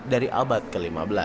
dari abad ke lima belas